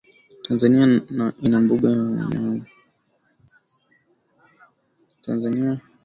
tanzania ina mbuga nyingi sana za wanyama